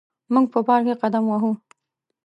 موږ په پارک کې قدم وهو.